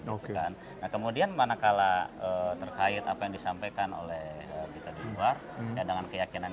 oke kan kemudian manakala terkait apa yang disampaikan oleh kita di luar dengan keyakinan